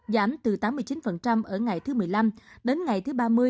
giảm từ tám mươi chín ở ngày thứ một mươi năm đến ngày thứ ba mươi